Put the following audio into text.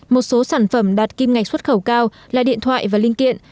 một số sản phẩm đạt kim ngạch xuất khẩu cao là điện thoại và linh kiện